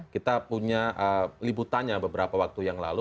kita punya liputannya beberapa waktu yang lalu